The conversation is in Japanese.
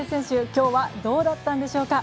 今日はどうだったんでしょうか。